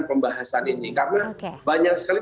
pembahasan ini karena banyak sekali